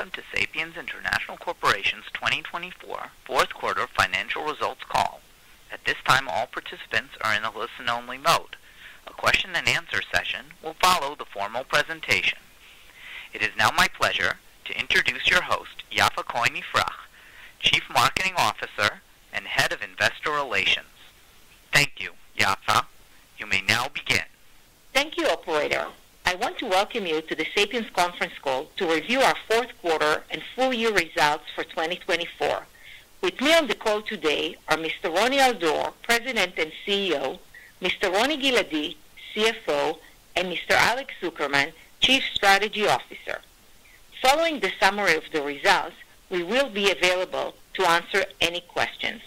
Welcome to Sapiens International Corporation's 2024 Q4 Financial Results Call. At this time, all participants are in a listen-only mode. A question-and-answer session will follow the formal presentation. It is now my pleasure to introduce your host, Yaffa Cohen-Ifrah, Chief Marketing Officer and Head of Investor Relations. Thank you. Yaffa, you may now begin. Thank you, Operator. I want to welcome you to the Sapiens Conference Call to review our Q4 and full-year results for 2024. With me on the call today are Mr. Roni Al-Dor, President and CEO, Mr. Roni Giladi, CFO, and Mr. Alex Zukerman, Chief Strategy Officer. Following the summary of the results, we will be available to answer any questions.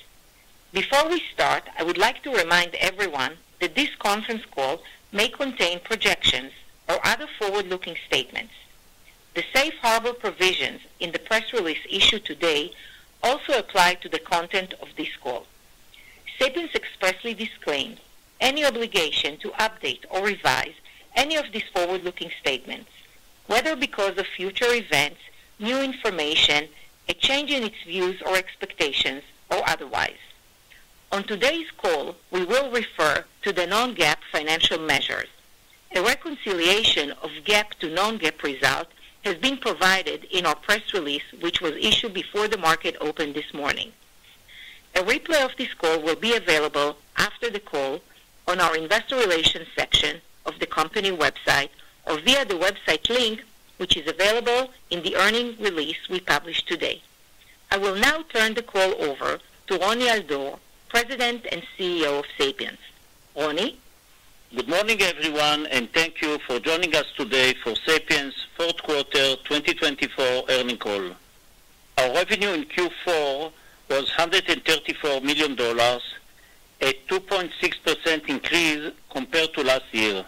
Before we start, I would like to remind everyone that this conference call may contain projections or other forward-looking statements. The Safe Harbor provisions in the press release issued today also apply to the content of this call. Sapiens expressly disclaims any obligation to update or revise any of these forward-looking statements, whether because of future events, new information, a change in its views or expectations, or otherwise. On today's call, we will refer to the non-GAAP financial measures. A reconciliation of GAAP to non-GAAP results has been provided in our press release, which was issued before the market opened this morning. A replay of this call will be available after the call on our Investor Relations section of the company website or via the website link which is available in the earnings release we published today. I will now turn the call over to Roni Al-Dor, President and CEO of Sapiens. Roni. Good morning, everyone, and thank you for joining us today for Sapiens Q4 2024 Earnings Call. Our revenue in Q4 was $134 million, a 2.6% increase compared to last year.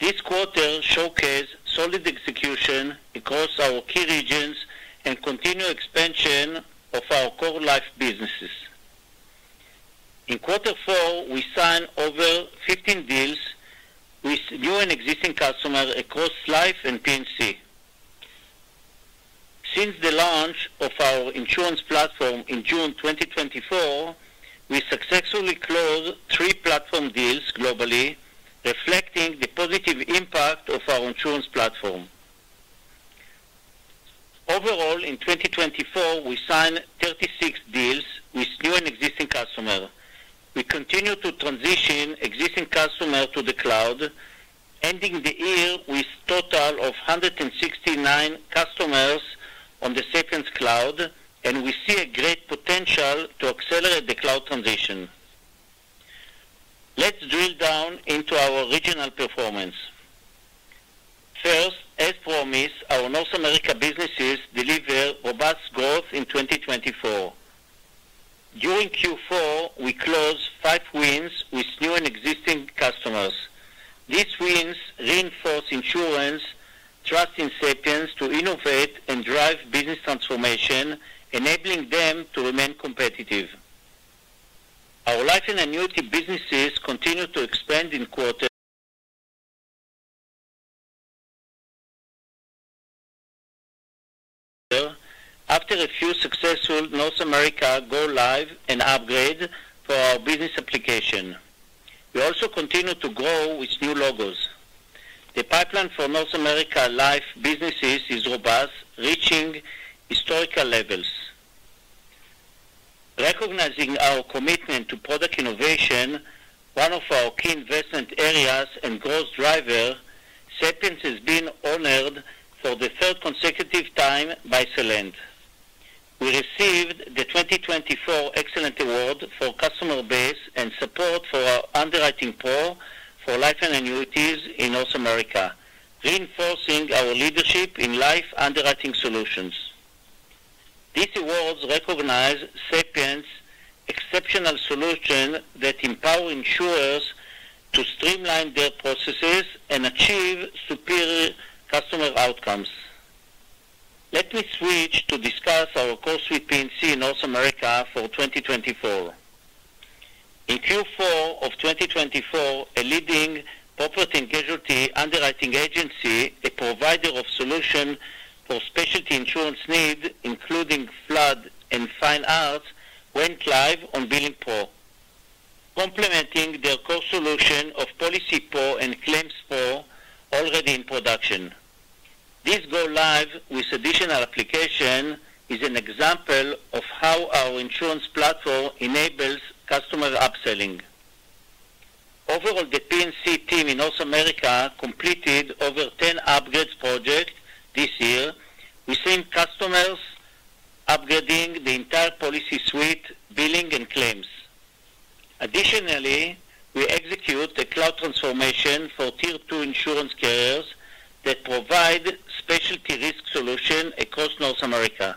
This quarter showcased solid execution across our key regions and continued expansion of our core life businesses. In Q4, we signed over 15 deals with new and existing customers across Life and P&C. Since the launch of our insurance platform in June 2024, we successfully closed three platform deals globally, reflecting the positive impact of our insurance platform. Overall, in 2024, we signed 36 deals with new and existing customers. We continue to transition existing customers to the cloud, ending the year with a total of 169 customers on the Sapiens Cloud, and we see a great potential to accelerate the cloud transition. Let's drill down into our regional performance. First, as promised, our North America businesses delivered robust growth in 2024. During Q4, we closed five wins with new and existing customers. These wins reinforced insurance trust in Sapiens to innovate and drive business transformation, enabling them to remain competitive. Our Life and Annuity businesses continued to expand in Q4 after a few successful North America go-live and upgrades for our business application. We also continued to grow with new logos. The pipeline for North America life businesses is robust, reaching historical levels. Recognizing our commitment to product innovation, one of our key investment areas and growth drivers, Sapiens has been honored for the third consecutive time by Celent. We received the 2024 Excellence Award for Customer Base and Support for UnderwritingPro for life and Annuities in North America, reinforcing our leadership in life underwriting solutions. These awards recognize Sapiens' exceptional solutions that empower insurers to streamline their processes and achieve superior customer outcomes. Let me switch to discuss our core with P&C in North America for 2024. In Q4 of 2024, a leading property and casualty underwriting agency, a provider of solutions for specialty insurance needs, including flood and fine arts, went live on BillingPro, complementing their core solution of PolicyPro and ClaimsPro, already in production. This go-live with additional applications is an example of how our insurance platform enables customer upselling. Overall, the P&C team in North America completed over 10 upgrade projects this year, with same customers upgrading the entire policy suite, Billing and Claims. Additionally, we execute a cloud transformation for Tier 2 insurance carriers that provide specialty risk solutions across North America.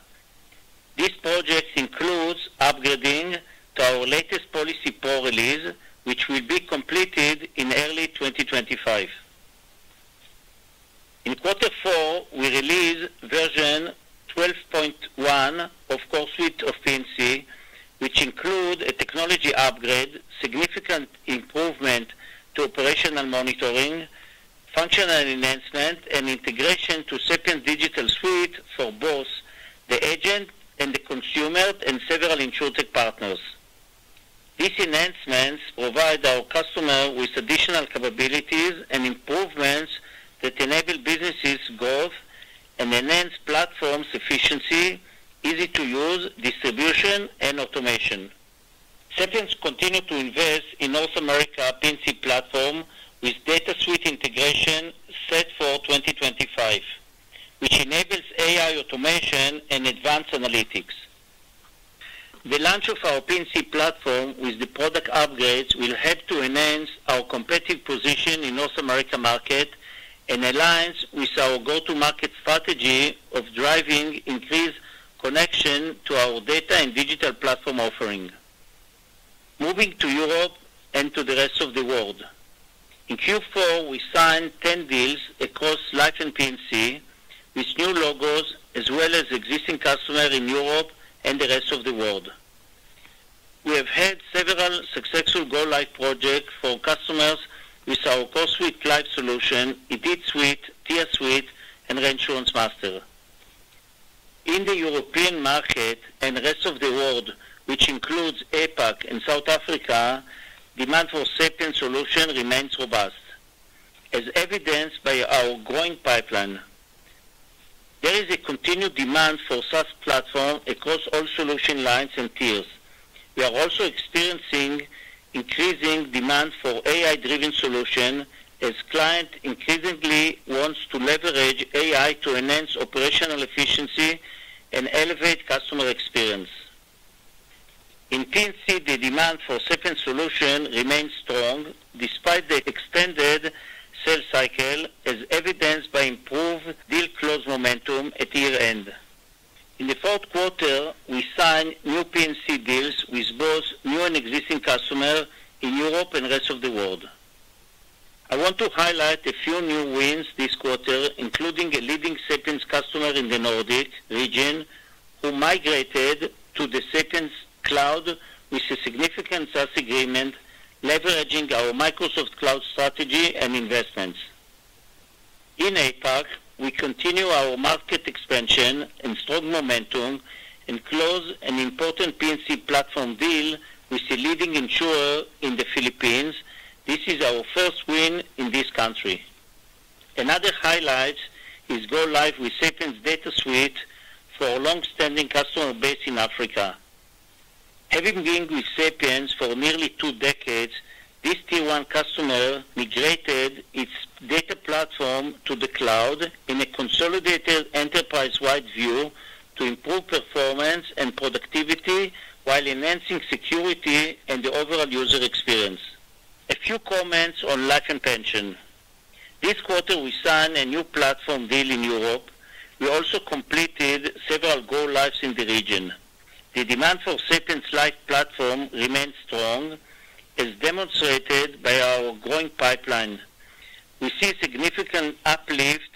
This project includes upgrading to our latest PolicyPro release, which will be completed in early 2025. In Q4, we released version 12.1 of the CoreSuite of P&C, which includes a technology upgrade, significant improvement to operational monitoring, In the Q4, we signed new P&C deals with both new and existing customers in Europe and the rest of the world. I want to highlight a few new wins this quarter, including a leading Sapiens customer in the Nordic region who migrated to the Sapiens Cloud with a significant SaaS agreement, leveraging our Microsoft Cloud strategy and investments. In APAC, we continue our market expansion and strong momentum and closed an important P&C platform deal with a leading insurer in the Philippines. This is our first win in this country. Another highlight is go-live with Sapiens DataSuite for a long-standing customer base in Africa. Having been with Sapiens for nearly two decades, this Tier 1 customer migrated its data platform to the cloud in a consolidated enterprise-wide view to improve performance and productivity while enhancing security and the overall user experience. A few comments on Life and Pension. This quarter, we signed a new platform deal in Europe. We also completed several go-lives in the region. The demand for Sapiens' life platform remains strong, as demonstrated by our growing pipeline. We see a significant uplift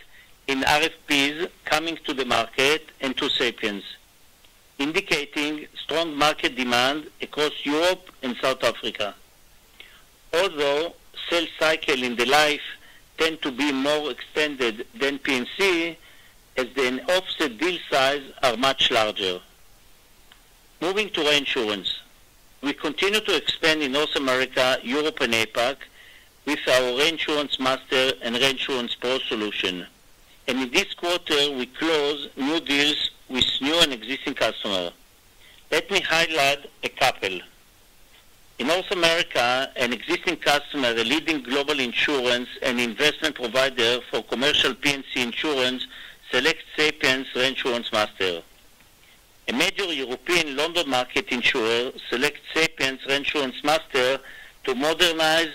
in RFPs coming to the market and to Sapiens, indicating strong market demand across Europe and South Africa. Although sales cycles in life tend to be more extended than P&C, as the offset deal sizes are much larger. Moving to reinsurance, we continue to expand in North America, Europe, and APAC with our ReinsuranceMaster and ReinsurancePro solution. And in this quarter, we closed new deals with new and existing customers. Let me highlight a couple. In North America, an existing customer, a leading global insurance and investment provider for commercial P&C insurance, selects Sapiens ReinsuranceMaster. A major European London Market insurer selects Sapiens ReinsuranceMaster to modernize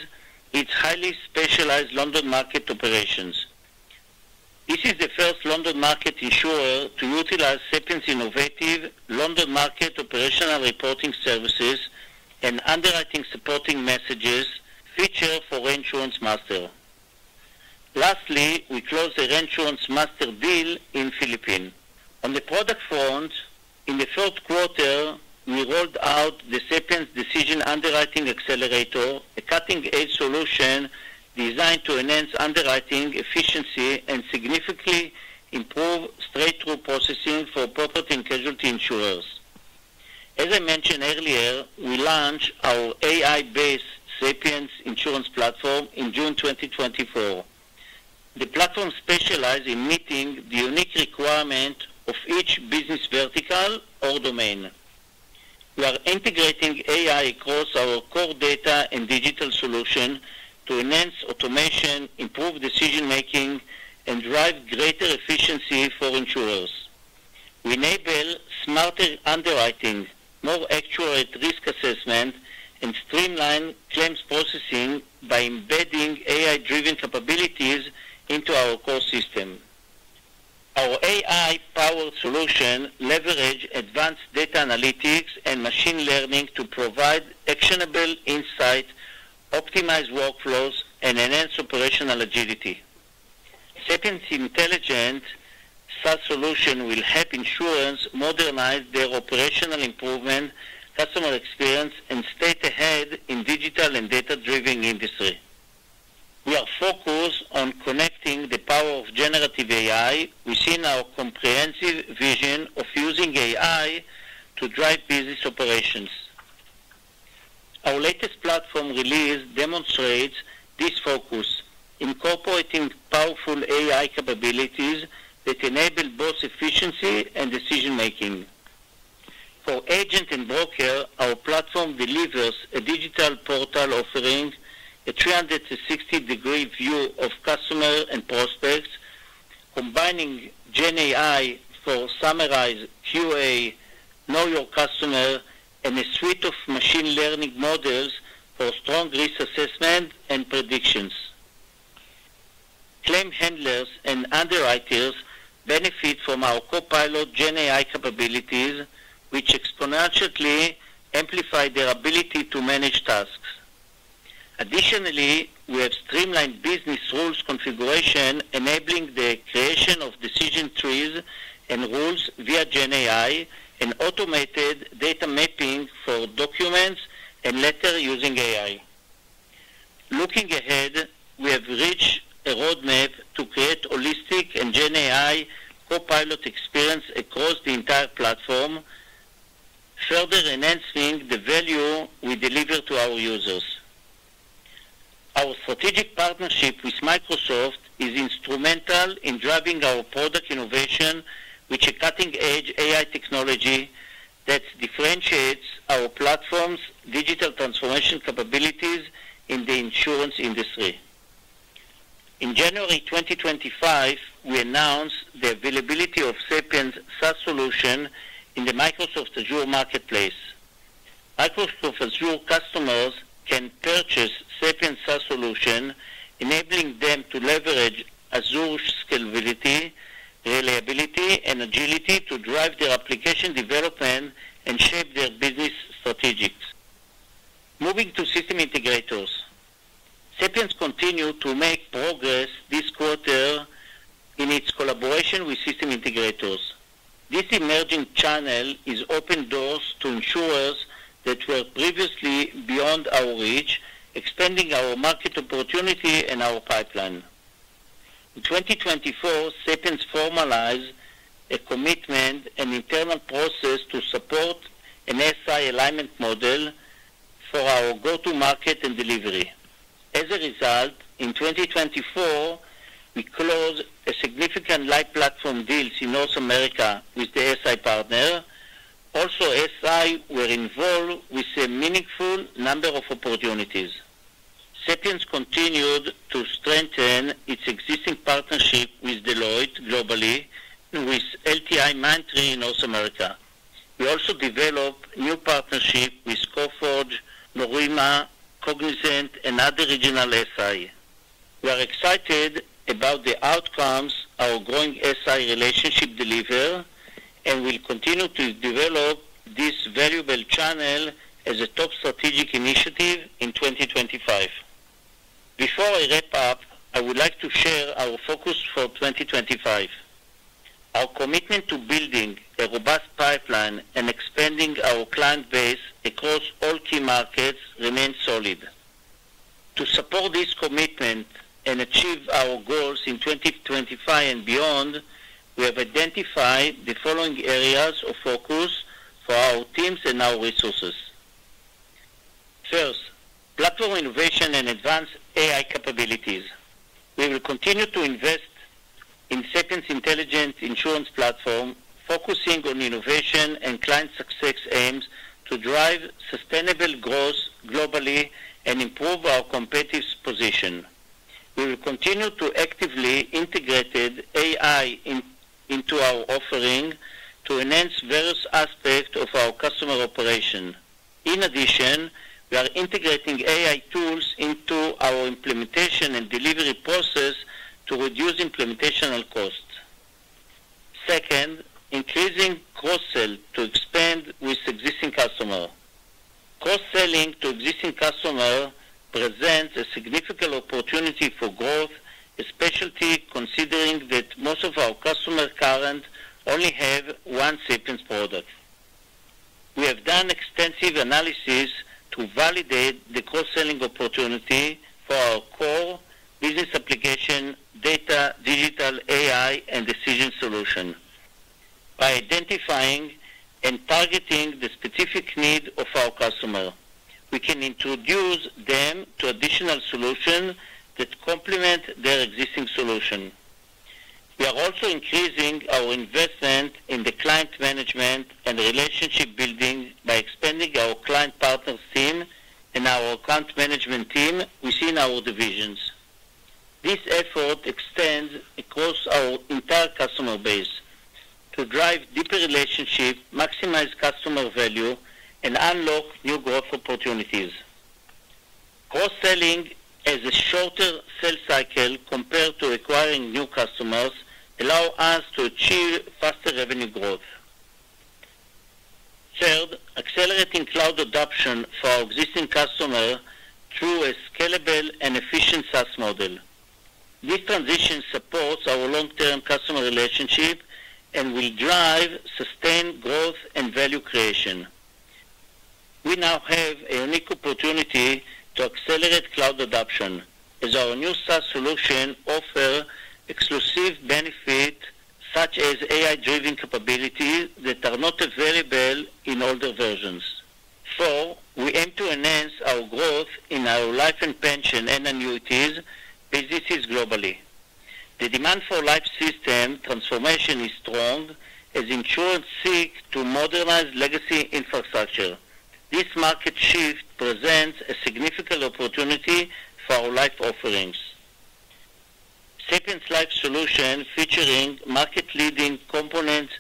its highly specialized London market operations. This is the first London Market insurer to utilize Sapiens' innovative London Market operational reporting services and underwriting supporting messages featured for ReinsuranceMaster. Lastly, we closed a ReinsuranceMaster deal in the Philippines. On the product front, in the Q4, we rolled out the Sapiens Decision Underwriting Accelerator, a cutting-edge solution designed to enhance underwriting efficiency and significantly improve straight-through processing for property and casualty insurers. As I mentioned earlier, we launched our AI-based Sapiens insurance platform in June 2024. The platform specializes in meeting the unique requirements of each business vertical or domain. We are integrating AI across our core data and digital solution to enhance automation, improve decision-making, and drive greater efficiency for insurers. We enable smarter underwriting, more accurate risk assessment, and streamline claims processing by embedding AI-driven capabilities into our core system. Our AI-powered solution leverages advanced data analytics and machine learning to provide actionable insights, optimize workflows, and enhance operational agility. Sapiens Intelligent SaaS solution will help insurers modernize their operational improvement, customer experience, and stay ahead in the digital and data-driven industry. We are focused on connecting the power of generative AI within our comprehensive vision of using AI to drive business operations. Our latest platform release demonstrates this focus, incorporating powerful AI capabilities that enable both efficiency and decision-making. For agents and brokers, our platform delivers a digital portal offering, a 360-degree view of customers and prospects, combining GenAI for summarized QA, know your customer, and a suite of machine learning models for strong risk assessment and predictions. Claim handlers and underwriters benefit from our Copilot GenAI capabilities, which exponentially amplify their ability to manage tasks. Additionally, we have streamlined business rules configuration, enabling the creation of decision trees and rules via GenAI and automated data mapping for documents and letters using AI. Looking ahead, we have reached a roadmap to create a holistic and GenAI Copilot experience across the entire platform, further enhancing the value we deliver to our users. Our strategic partnership with Microsoft is instrumental in driving our product innovation with a cutting-edge AI technology that differentiates our platform's digital transformation capabilities in the insurance industry. In January 2025, we announced the availability of Sapiens SaaS Solution in the Microsoft Azure Marketplace. Microsoft Azure customers can purchase Sapiens SaaS Solution, enabling them to leverage Azure's scalability, reliability, and agility to drive their application development and shape their business strategies. Moving to system integrators, Sapiens continued to make progress this quarter in its collaboration with system integrators. This emerging channel is opening doors to insurers that were previously beyond our reach, expanding our market opportunity and our pipeline. In 2024, Sapiens formalized a commitment and internal process to support an SI alignment model for our go-to-market and delivery. As a result, in 2024, we closed significant live platform deals in North America with the SI partner. Also, SI were involved with a meaningful number of opportunities. Sapiens continued to strengthen its existing partnership with Deloitte globally and with LTIMindtree in North America. We also developed new partnerships with Coforge, Norima Consulting, Cognizant, and other regional SI. We are excited about the outcomes our growing SI relationship delivers, and we'll continue to develop this valuable channel as a top strategic initiative in 2025. Before I wrap up, I would like to share our focus for 2025. Our commitment to building a robust pipeline and expanding our client base across all key markets remains solid. To support this commitment and achieve our goals in 2025 and beyond, we have identified the following areas of focus for our teams and our resources. First, platform innovation and advanced AI capabilities. We will continue to invest in Sapiens Intelligent Insurance Platform, focusing on innovation and client success, aims to drive sustainable growth globally and improve our competitive position. We will continue to actively integrate AI into our offering to enhance various aspects of our customer operation. In addition, we are integrating AI tools into our implementation and delivery process to reduce implementation costs. Second, increasing cross-sell to expand with existing customers. Cross-selling to existing customers presents a significant opportunity for growth, especially considering that most of our customers currently have one Sapiens product. We have done extensive analysis to validate the cross-selling opportunity for our core business application data digital AI and decision solution. By identifying and targeting the specific needs of our customers, we can introduce them to additional solutions that complement their existing solution. We are also increasing our investment in the client management and relationship building by expanding our client partners' team and our account management team within our divisions. This effort extends across our entire customer base to drive deeper relationships, maximize customer value, and unlock new growth opportunities. Cross-selling has a shorter sales cycle compared to acquiring new customers, allowing us to achieve faster revenue growth. Third, accelerating cloud adoption for our existing customers through a scalable and efficient SaaS model. This transition supports our long-term customer relationship and will drive sustained growth and value creation. We now have a unique opportunity to accelerate cloud adoption as our new SaaS solution offers exclusive benefits such as AI-driven capabilities that are not available in older versions. Four, we aim to enhance our growth in our Life and Pension and annuities businesses globally. The demand for Life system transformation is strong as insurers seek to modernize legacy infrastructure. This market shift presents a significant opportunity for our Life offerings. Sapiens Life Solutions, featuring market-leading components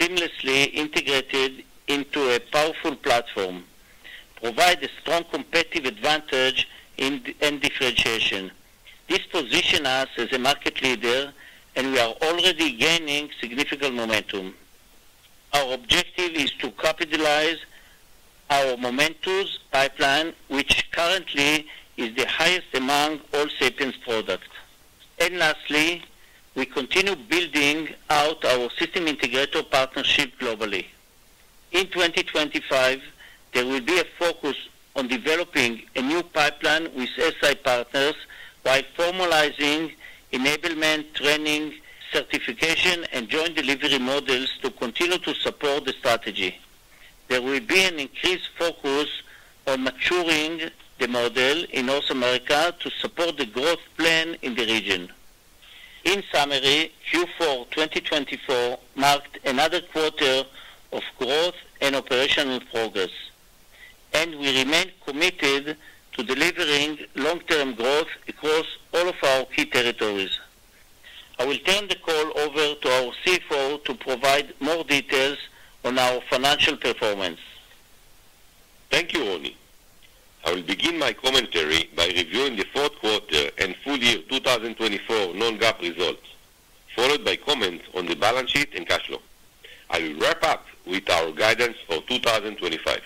seamlessly integrated into a powerful platform, provide a strong competitive advantage and differentiation. This positions us as a market leader, and we are already gaining significant momentum. Our objective is to capitalize our momentum pipeline, which currently is the highest among all Sapiens products. And lastly, we continue building out our system integrator partnership globally. In 2025, there will be a focus on developing a new pipeline with SI partners while formalizing enablement, training, certification, and joint delivery models to continue to support the strategy. There will be an increased focus on maturing the model in North America to support the growth plan in the region. In summary, Q4 2024 marked another quarter of growth and operational progress, and we remain committed to delivering long-term growth across all of our key territories. I will turn the call over to our CFO to provide more details on our financial performance. Thank you, Roni. I will begin my commentary by reviewing the Q4 and full year 2024 non-GAAP results, followed by comments on the balance sheet and cash flow. I will wrap up with our guidance for 2025.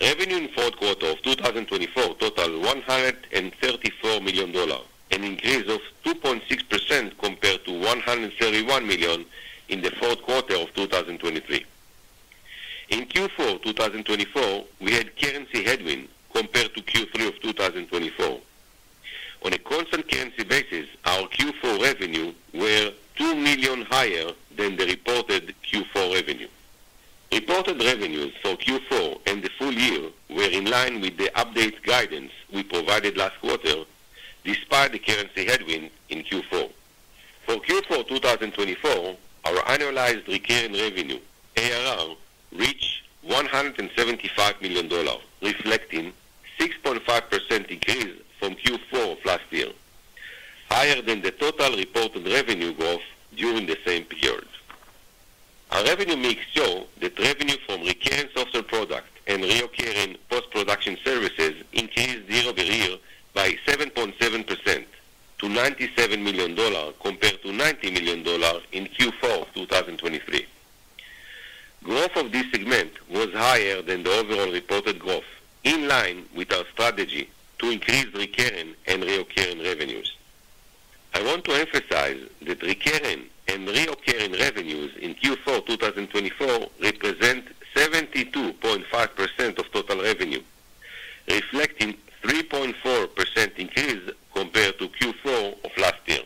Revenue in the Q4 of 2024 totaled $134 million, an increase of 2.6% compared to $131 million in the Q4 of 2023. In Q4 2024, we had currency headwinds compared to Q3 of 2024. On a constant currency basis, our Q4 revenues were $2 million higher than the reported Q4 revenue. Reported revenues for Q4 and the full year were in line with the updated guidance we provided last quarter, despite the currency headwinds in Q4. For Q4 2024, our annualized recurring revenue, ARR, reached $175 million, reflecting a 6.5% increase from Q4 last year, higher than the total reported revenue growth during the same period. Our revenue mix showed that revenue from recurring software products and recurring post-production services increased year-over-year by 7.7% to $97 million compared to $90 million in Q4 2023. Growth of this segment was higher than the overall reported growth, in line with our strategy to increase recurring and reoccurring revenues. I want to emphasize that recurring and reoccurring revenues in Q4 2024 represent 72.5% of total revenue, reflecting a 3.4% increase compared to Q4 of last year.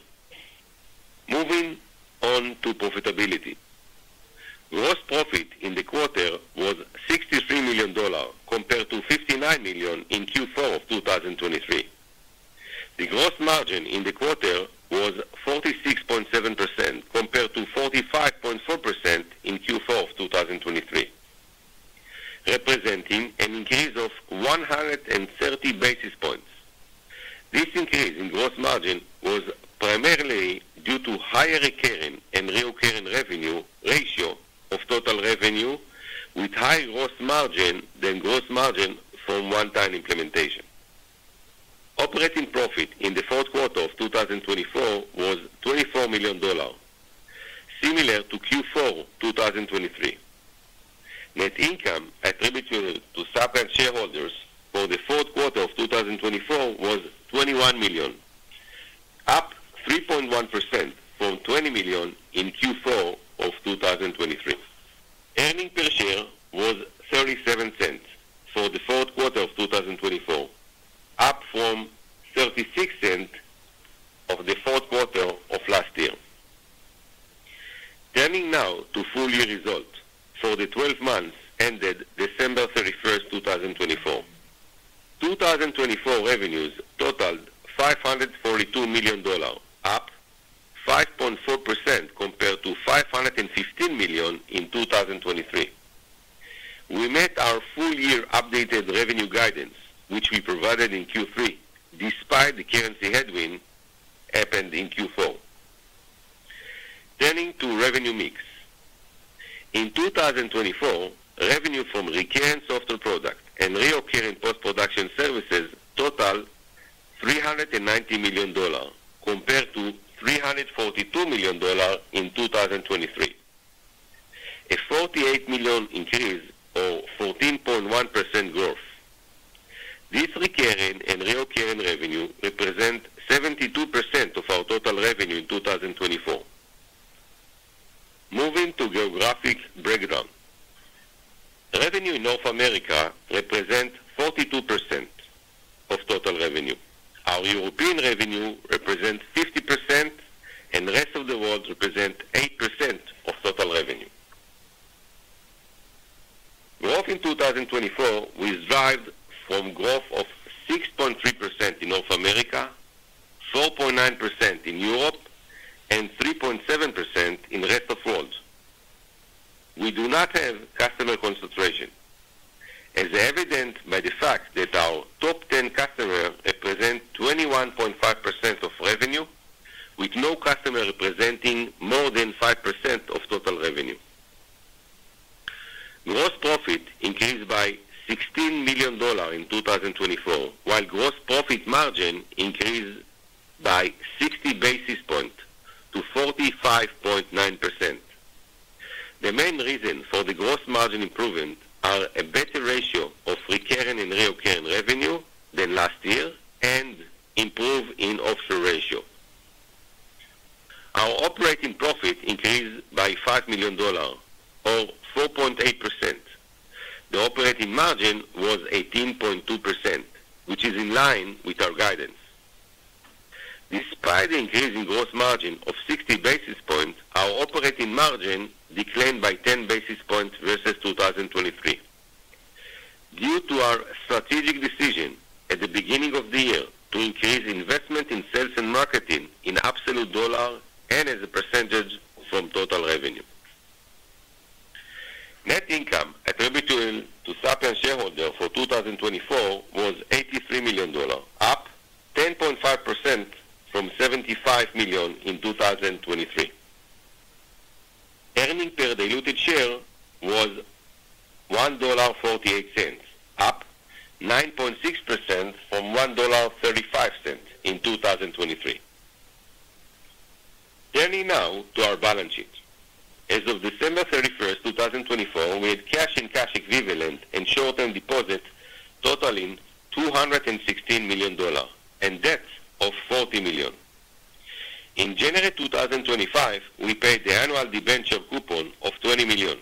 Moving on to profitability. Gross profit in the quarter was $63 million compared to $59 million in Q4 of 2023. The gross margin in the quarter was 46.7% compared to 45.4% in Q4 of 2023, representing an increase of 130 basis points. This increase in gross margin was primarily due to higher recurring and reoccurring revenue ratios of total revenue, with higher gross margin than gross margin from one-time implementation. Operating profit in the Q4 of 2024 was $24 million, similar to Q4 2023. Net income attributed to Sapiens shareholders for the Q4 of 2024 was $21 million, up 3.1% from $20 million in Q4 of 2023. Earnings per share was $0.37 for the Q4 of 2024, up from $0.36 of the Q4 of last year. Turning now to full year results for the 12 months ended December 31st, 2024. 2024 revenues totaled $542 million, up 5.4% compared to $515 million in 2023. We met our full year updated revenue guidance, which we provided in Q3, despite the currency headwinds that happened in Q4. Turning to revenue mix. In 2024, revenue from recurring software products and recurring post-production services totaled $390 million compared to $342 million in 2023, a $48 million increase or 14.1% growth. This recurring revenue represents 72% of our total revenue in 2024. Moving to geographic breakdown. Revenue in North America represents 42% of total revenue. Our European revenue represents 50%, and the rest of the world represents 8% of total revenue. Growth in 2024 was driven from growth of 6.3% in North America, 4.9% in Europe, and 3.7% in the rest of the world. We do not have customer concentration, as evident by the fact that our top 10 customers represent 21.5% of revenue, with no customer representing more than 5% of total revenue. Gross profit increased by $16 million in 2024, while gross profit margin increased by 60 basis points to 45.9%. The main reasons for the gross margin improvement are a better ratio of recurring and recurring revenue than last year and improvement in offshore ratio. Our operating profit increased by $5 million or 4.8%. The operating margin was 18.2%, which is in line with our guidance. Despite the increase in gross margin of 60 basis points, our operating margin declined by 10 basis points versus 2023, due to our strategic decision at the beginning of the year to increase investment in sales and marketing in absolute dollars and as a percentage from total revenue. Net income attributable to Sapiens shareholders for 2024 was $83 million, up 10.5% from $75 million in 2023. Earnings per diluted share was $1.48, up 9.6% from $1.35 in 2023. Turning now to our balance sheet. As of December 31, 2024, we had cash and cash equivalents and short-term deposits totaling $216 million and debt of $40 million. In January 2025, we paid the annual debenture coupon of $20 million.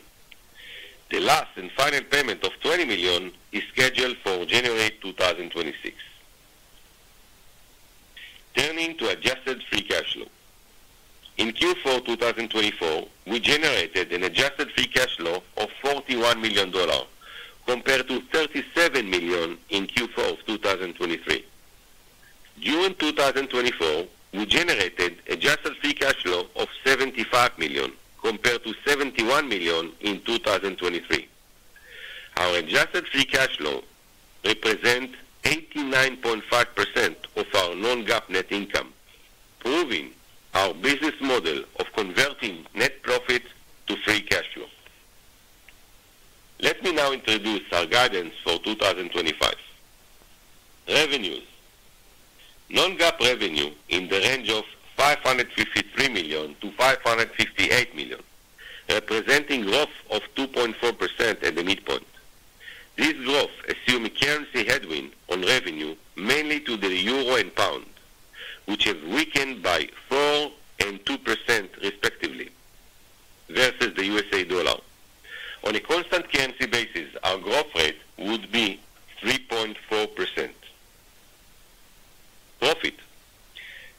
The last and final payment of $20 million is scheduled for January 2026. Turning to adjusted free cash flow. In Q4 2024, we generated an adjusted free cash flow of $41 million compared to $37 million in Q4 of 2023. During 2024, we generated an adjusted free cash flow of $75 million compared to $71 million in 2023. Our adjusted free cash flow represents 89.5% of our non-GAAP net income, proving our business model of converting net profit to free cash flow. Let me now introduce our guidance for 2025. Revenues. Non-GAAP revenue in the range of $553 million-$558 million, representing growth of 2.4% at the midpoint. This growth assumed a currency headwind on revenue, mainly to the euro and pound, which have weakened by 4% and 2% respectively versus the U.S. dollar. On a constant currency basis, our growth rate would be 3.4%. Profit.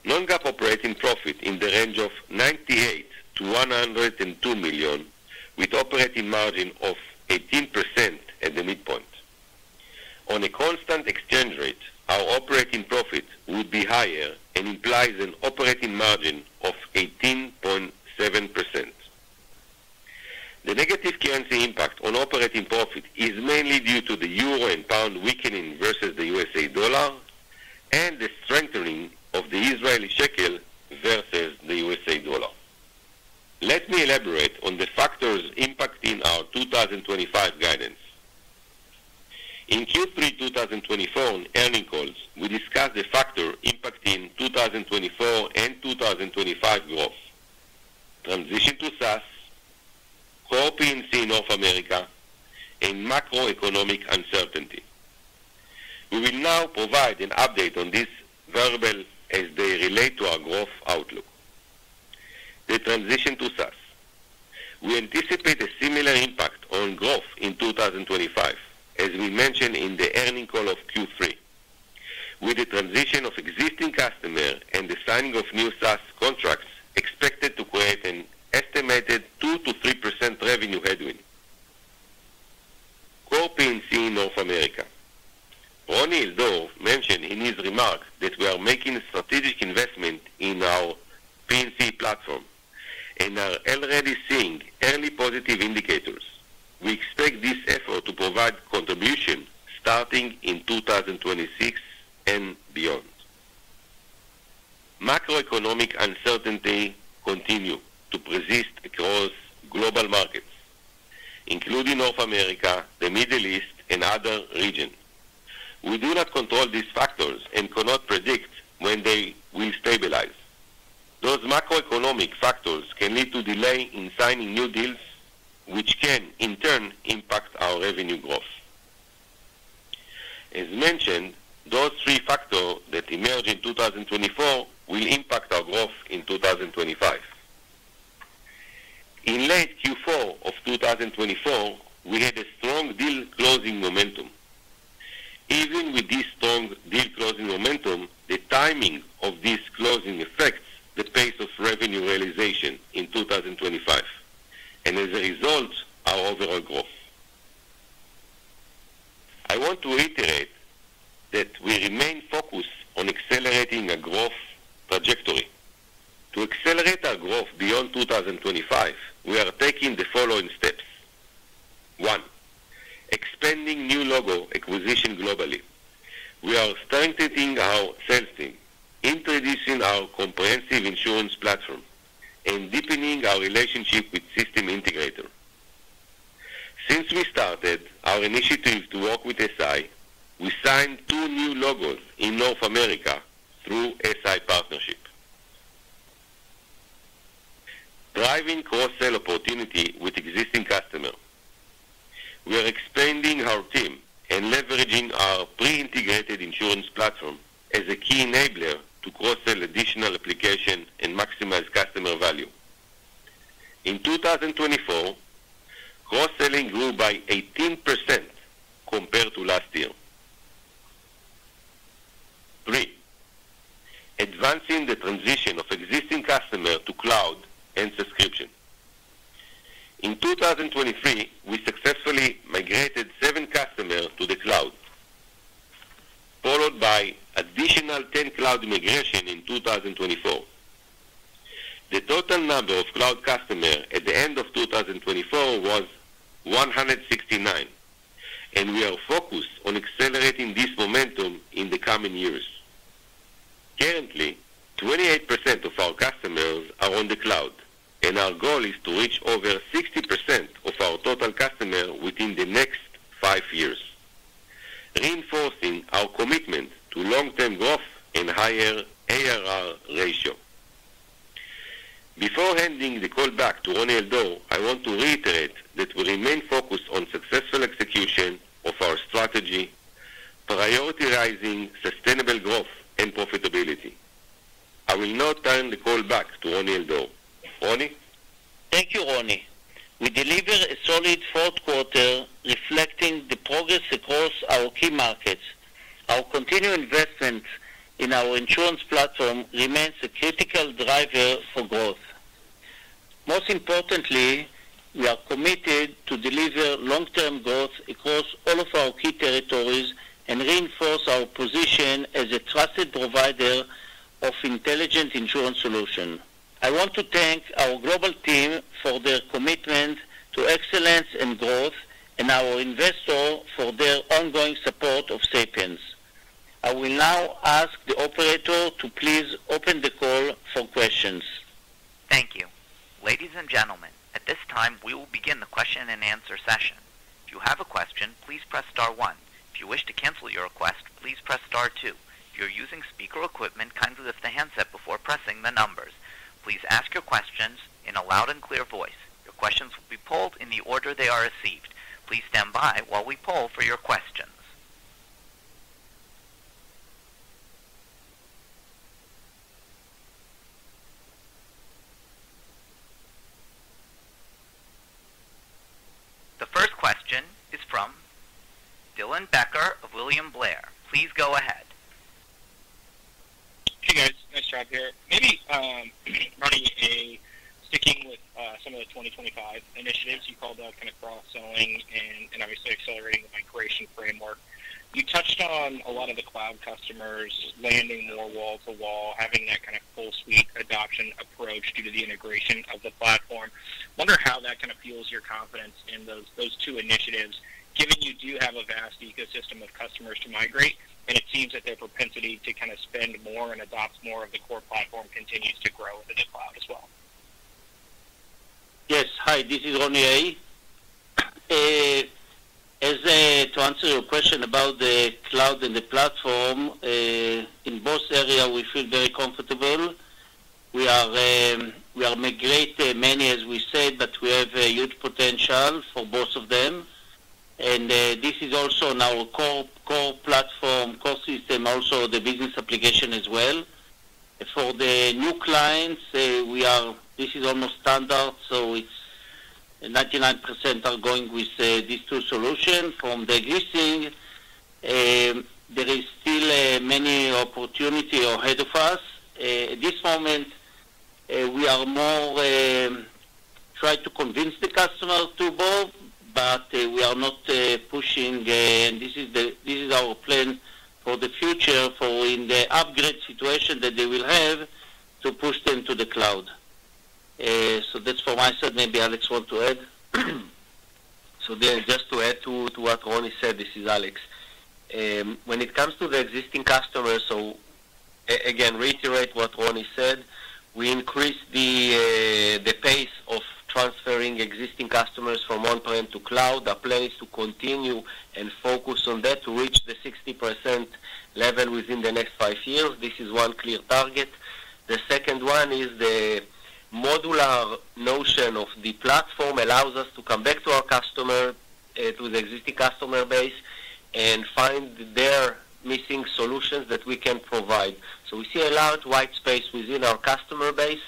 Non-GAAP operating profit in the range of $98 million-$102 million, with operating margin of 18% at the midpoint. On a constant exchange rate, our operating profit would be higher and implies an operating margin of 18.7%. The negative currency impact on operating profit is mainly due to the euro and pound weakening versus the U.S. dollar and the strengthening of the Israeli shekel versus the U.S. dollar. Let me elaborate on the factors impacting our 2025 guidance. In Q3 2024 earnings calls, we discussed the factors impacting 2024 and 2025 growth: transition to SaaS, opportunity in North America, and macroeconomic uncertainty. We will now provide an update on this verbally as they relate to our growth outlook. The transition to SaaS. We anticipate a similar impact on growth in 2025, as we mentioned in the earnings call of Q3, with the transition of existing customers and the signing of new SaaS contracts expected to create an estimated 2%-3% revenue headwind. Opportunity in North America. Roni Al-Dor mentioned in his remarks that we are making a strategic investment in our P&C platform and are already seeing early positive indicators. We expect this effort to provide contributions starting in 2026 and beyond. Macroeconomic uncertainty continues to persist across global markets, including North America, the Middle East, and other regions. We do not control these factors and cannot predict when they will stabilize. Those macroeconomic factors can lead to delays in signing new deals, which can, in turn, impact our revenue growth. As mentioned, those three factors that emerged in 2024 will impact our growth in 2025. In late Q4 of 2024, we had a strong deal-closing momentum. Even with this strong deal-closing momentum, the timing of this closing affects the pace of revenue realization in 2025 and, as a result, our overall growth. I want to reiterate that we remain focused on accelerating our growth trajectory. To accelerate our growth beyond 2025, we are taking the following steps: one, expanding new logo acquisition globally. We are strengthening our sales team, introducing our comprehensive insurance platform, and deepening our relationship with System Integrator. Since we started our initiative to work with SI, we signed two new logos in North America through SI Partnership. Driving cross-sell opportunity with existing customers. We are expanding our team and leveraging our pre-integrated insurance platform as a key enabler to cross-sell additional applications and maximize customer value. In 2024, cross-selling grew by 18% compared to last year. Three, advancing the transition of existing customers to cloud and subscription. In 2023, we successfully migrated seven customers to the cloud, followed by an additional 10 cloud migrations in 2024. The total number of cloud customers at the end of 2024 was 169, and we are focused on accelerating this momentum in the coming years. Currently, 28% of our customers are on the cloud, and our goal is to reach over 60% of our total customers within the next five years, reinforcing our commitment to long-term growth and higher ARR ratio. Before handing the call back to Roni Al-Dor, I want to reiterate that we remain focused on successful execution of our strategy, prioritizing sustainable growth and profitability. I will now turn the call back to Roni Al-Dor. Roni. Thank you, Roni. We delivered a solid Q4 reflecting the progress across our key markets. Our continued investment in our insurance platform remains a critical driver for growth. Most importantly, we are committed to delivering long-term growth across all of our key territories and reinforcing our position as a trusted provider of intelligent insurance solutions. I want to thank our global team for their commitment to excellence and growth and our investors for their ongoing support of Sapiens. I will now ask the operator to please open the call for questions. Thank you. Ladies and gentlemen, at this time, we will begin the question-and-answer session. If you have a question, please press star one. If you wish to cancel your request, please press star two. If you're using speaker equipment, kindly lift the handset before pressing the numbers. Please ask your questions in a loud and clear voice. Your questions will be polled in the order they are received. Please stand by while we poll for your questions. The first question is from Dylan Becker of William Blair. Please go ahead. Hey, guys. It's Rob here. Maybe Roni, sticking with some of the 2025 initiatives you called out, kind of cross-selling and obviously accelerating the migration framework, you touched on a lot of the cloud customers landing more wall-to-wall, having that kind of full-suite adoption approach due to the integration of the platform. I wonder how that kind of fuels your confidence in those two initiatives, given you do have a vast ecosystem of customers to migrate, and it seems that their propensity to kind of spend more and adopt more of the core platform continues to grow within the cloud as well? Yes. Hi, this is Roni A. As to answer your question about the cloud and the platform, in both areas, we feel very comfortable. We are migrating many, as we said, but we have a huge potential for both of them. This is also on our core platform, core system, also the business application as well. For the new clients, this is almost standard, so 99% are going with these two solutions from the existing. There is still many opportunities ahead of us. At this moment, we are more trying to convince the customer to move, but we are not pushing, and this is our plan for the future for in the upgrade situation that they will have to push them to the cloud. That's from my side. Maybe Alex wants to add. Just to add to what Roni said, this is Alex. When it comes to the existing customers, so again, reiterate what Roni said, we increased the pace of transferring existing customers from on-prem to cloud. Our plan is to continue and focus on that to reach the 60% level within the next five years. This is one clear target. The second one is the modular notion of the platform allows us to come back to our customer, to the existing customer base, and find their missing solutions that we can provide. So we see a large white space within our customer base,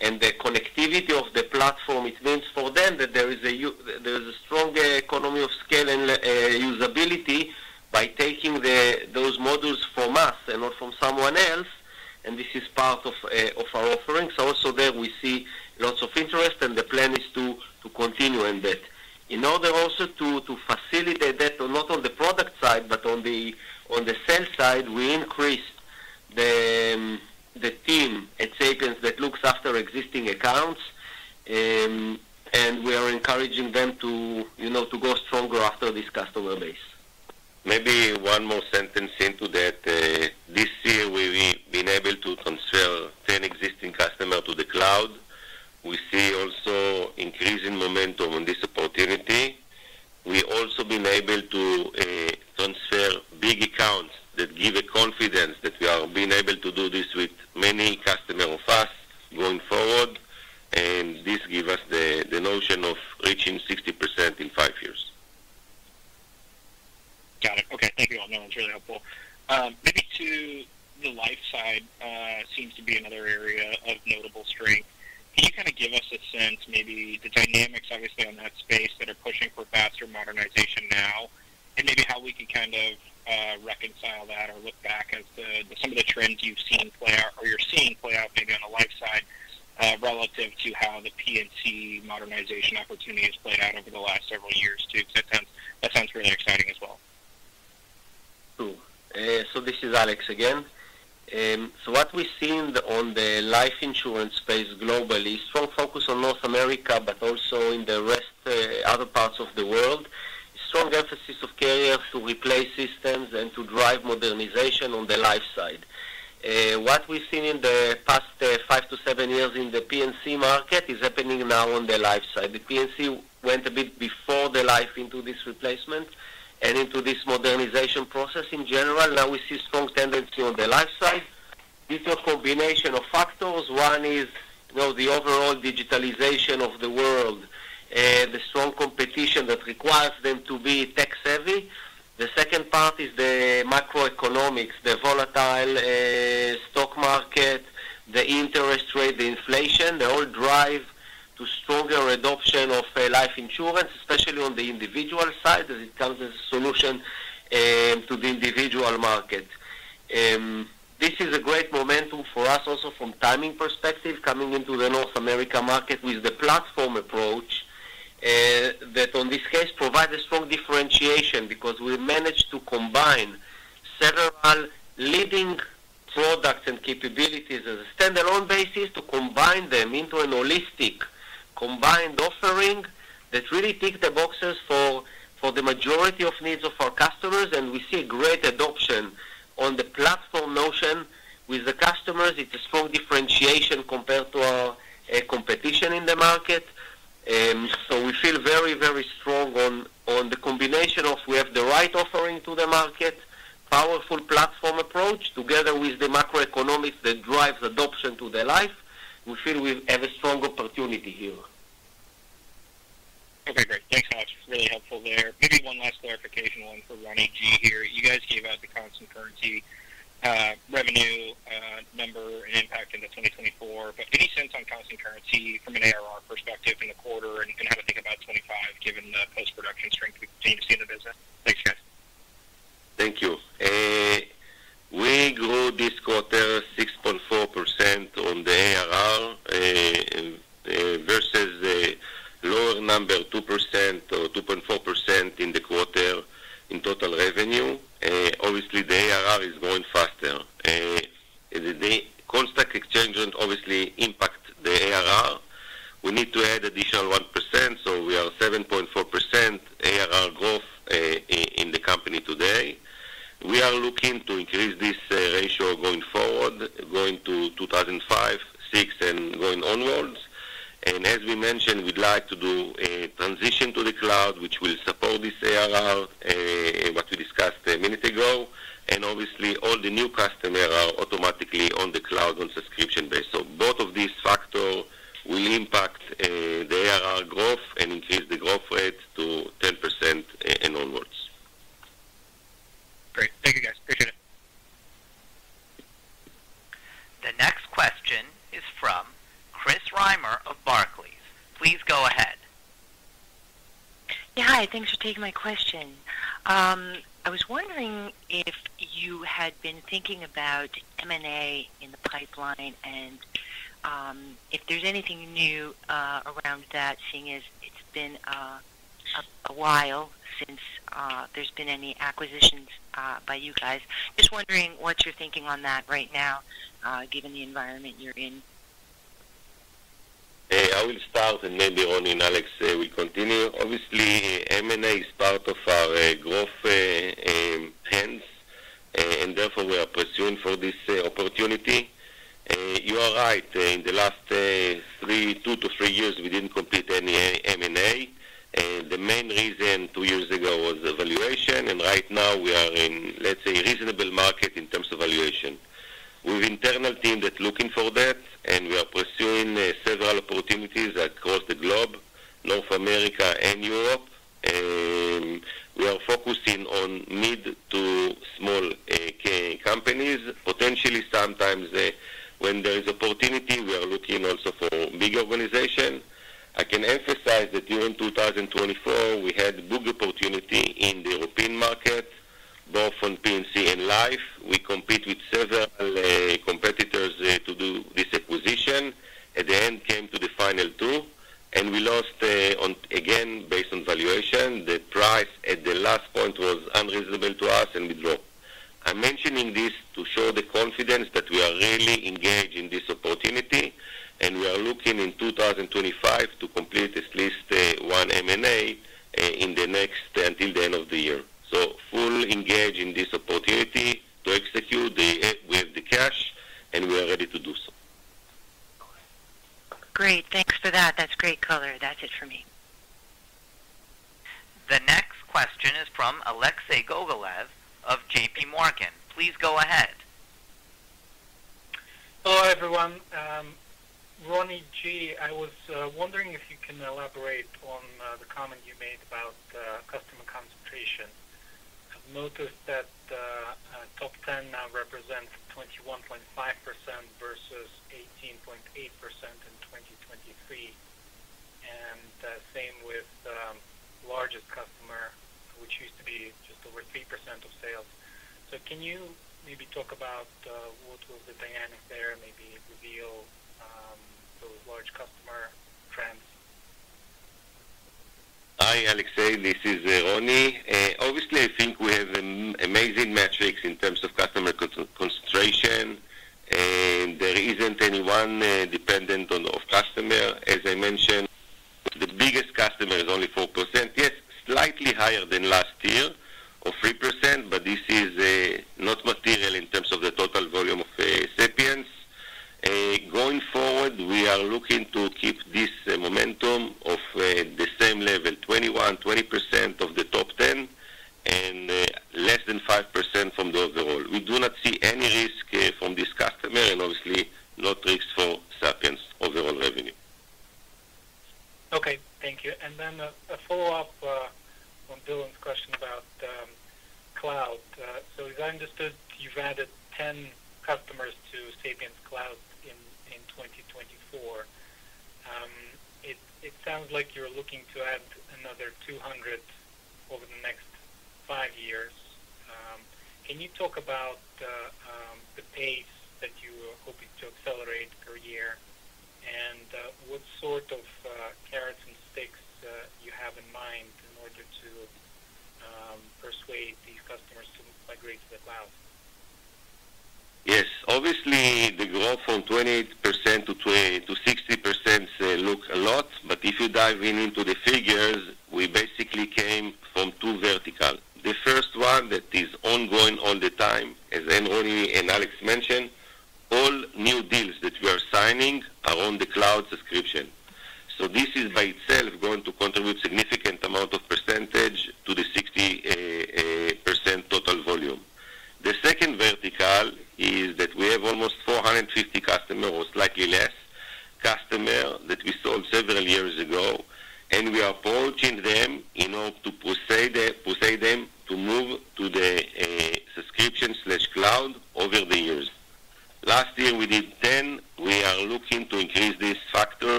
and the connectivity of the platform, it means for them that there is a strong economy of scale and usability by taking those modules from us and not from someone else, and this is part of our offering. So also there, we see lots of interest, and the plan is to continue in that. In order also to facilitate that, not on the product side, but on the sales side, we increased the team at Sapiens that looks after existing accounts, and we are encouraging them to go stronger after this customer base. Maybe one more sentence into that. This year, we've been able to transfer 10 existing customers to the cloud. We see also increasing momentum on this opportunity. We've also been able to transfer big accounts that give confidence that we are being able to do this with many customers of us going forward, and this gives us the notion of reaching 60% in five years. Got it. Okay. Thank you all. No, that's really helpful. Maybe to the Life side seems to be another area of notable strength. Can you kind of give us a sense, maybe the dynamics, obviously, on that space that are pushing for faster modernization now, and maybe how we can kind of reconcile that or look back at some of the trends you've seen play out or you're seeing play out maybe on the Life side relative to how the P&C modernization opportunity has played out over the last several years too? Because that sounds really exciting as well. Cool. So this is Alex again. So what we've seen on the Life insurance space globally is strong focus on North America, but also in the rest, other parts of the world, strong emphasis of carriers to replace systems and to drive modernization on the Life side. What we've seen in the past five to seven years in the P&C market is happening now on the Life side. The P&C went a bit before the Life into this replacement and into this modernization process in general. Now we see strong tendency on the life side. This is a combination of factors. One is the overall digitalization of the world, the strong competition that requires them to be tech-savvy. The second part is the macroeconomics, the volatile stock market, the interest rate, the inflation. They all drive to stronger adoption of Life Insurance, especially on the individual side as it comes as a solution to the individual market. This is a great momentum for us also from timing perspective coming into the North America market with the platform approach that, in this case, provides a strong differentiation because we managed to combine several leading products and capabilities as a standalone basis to combine them into a holistic combined offering that really ticks the boxes for the majority of needs of our customers, and we see great adoption on the platform notion with the customers. It's a strong differentiation compared to our competition in the market. So we feel very, very strong on the combination of we have the right offering to the market, powerful platform approach together with the macroeconomics that drives adoption to the life. We feel we have a strong opportunity here. Okay. Great. Thanks so much. Really helpful there. Maybe one last clarification, one for Roni G here. You guys gave out the constant currency revenue number and impact in 2024, but any sense on constant currency from an ARR perspective in the quarter and how to think about '25 given the post-production strength we continue to see in the business? Thanks, guys. Thank you. We grew this quarter 6.4% on the ARR versus the lower number, 2% or 2.4% in the quarter in total revenue. Obviously, the ARR is growing faster. The currency exchange obviously impacts the ARR. We need to add additional 1%, so we are 7.4% ARR growth in the company today. We are looking to increase this ratio going forward, going to 2025, 2026, and going onwards. As we mentioned, we'd like to do a transition to the cloud, which will support this ARR, what we discussed a minute ago, and obviously, all the new customers are automatically on the cloud on subscription base. So both of these factors will impact the ARR growth and increase the growth rate to 10% and onwards. Great. Thank you, guys. Appreciate it. The next question is from Chris Reimer of Barclays. Please go ahead. Yeah. Hi. Thanks for taking my question. I was wondering if you had been thinking about M&A in the pipeline and if there's anything new around that, seeing as it's been a while since there's been any acquisitions by you guys. Just wondering what you're thinking on that right now, given the environment you're in. I will start and maybe Roni, and Alex will continue. Obviously, M&A is part of our growth trends, and therefore, we are pursuing for this opportunity. You are right. In the last two, three years, we didn't complete any M&A. The main reason two years ago was valuation, and right now, we are in, let's say, a reasonable market in terms of valuation. We have an internal team that's looking for that, and we are pursuing several opportunities across the globe, North America and Europe. We are focusing on mid to small companies. Potentially, sometimes when there is opportunity, we are looking also for big organizations. I can emphasize that during 2024, we had a big opportunity in the European market, both on P&C and life. We competed with several competitors to do this acquisition. At the end, we came to the final two, and we lost again based on valuation. The price at the last point was unreasonable to us, and we dropped. I'm mentioning this to show the confidence that we are really engaged in this opportunity, and we are looking in 2025 to complete at least one M&A until the end of the year. So fully engaged in this opportunity to execute. We have the cash, and we are ready to do so. Great. Thanks for that. That's great color. That's it for me. The next question is from Alexei Gogolev of JPMorgan. Please go ahead. Hello, everyone. Roni G, I was wondering if you can elaborate on the comment you made about customer concentration. I've noticed that top 10 now represents 21.5% versus 18.8% in 2023, and same with the largest customer, which used to be just over 3% of sales. Can you maybe talk about what was the dynamic there, maybe reveal those large customer trends? Hi, Alexei. This is Roni. Obviously, I think we have amazing metrics in terms of customer concentration, and there isn't anyone dependent on the customer. As I mentioned, the biggest customer is only 4%. Yes, slightly higher than last year of 3%, but this is not material in terms of the total volume of Sapiens. Going forward, we are looking to keep this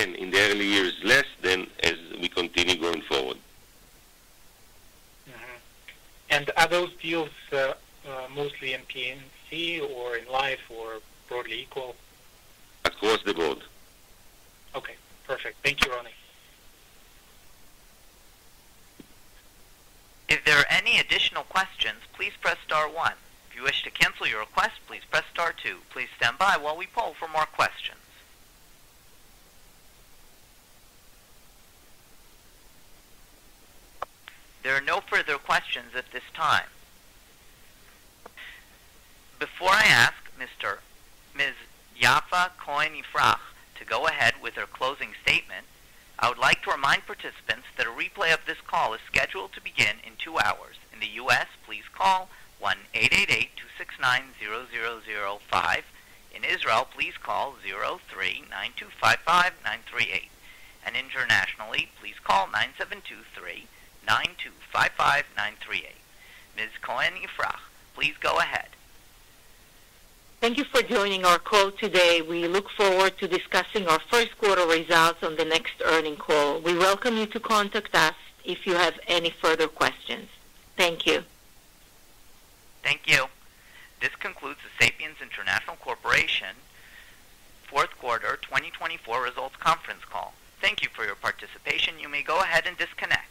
Again, in the early years, less than as we continue going forward. And are those deals mostly in P&C or in life or broadly equal? Across the board. Okay. Perfect. Thank you, Roni. If there are any additional questions, please press star one. If you wish to cancel your request, please press star two. Please stand by while we poll for more questions. There are no further questions at this time. Before I ask Ms. Yaffa Cohen-Ifrah to go ahead with her closing statement. I would like to remind participants that a replay of this call is scheduled to begin in two hours. In the U.S., please call 1-888-269-0005. In Israel, please call 03-925-5938. And internationally, please call 972-392-55938. Ms. Cohen-Ifrah, please go ahead. Thank you for joining our call today. We look forward to discussing our Q1 results on the next earnings call. We welcome you to contact us if you have any further questions. Thank you. Thank you. This concludes the Sapiens International Corporation Q4 2024 Results Conference Call. Thank you for your participation. You may go ahead and disconnect.